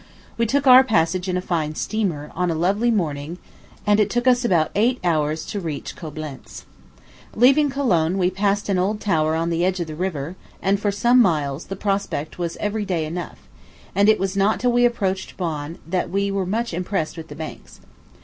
We took our passage in a fine steamer, on a lovely morning, and it took us about eight hours to reach Coblentz. Leaving Cologne, we passed an old tower on the edge of the river, and, for some miles, the prospect was every day enough; and it was not till we approached Bonn that we were much impressed with the banks.